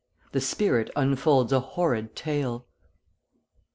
THE SPIRIT UNFOLDS A HORRID TALE.